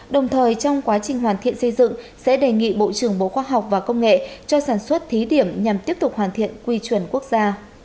đồng thời trong quá trình hoàn thiện xây dựng sẽ đề nghị bộ trưởng bộ khoa học và công nghệ cho sản xuất thí điểm nhằm tiếp tục hoàn thiện quy chuẩn quốc gia